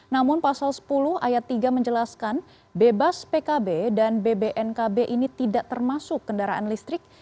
namun pasal sepuluh ayat tiga menjelaskan bebas pkb dan bbnkb ini tidak termasuk kendaraan listrik